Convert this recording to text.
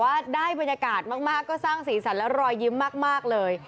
ว่าได้บรรยากาศมากก็สร้างสีสันและรอยยิ้มมากเลย